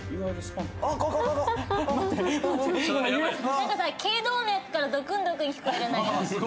なんかさ頸動脈からドクンドクン聞こえるんだけど。